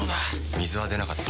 水は出なかった。